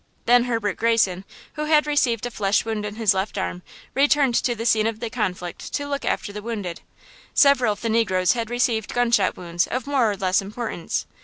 Then Herbert Greyson, who had received a flesh wound in his left arm, returned to the scene of the conflict to look after the wounded. Several of the negroes had received gun shot wounds of more or less importance.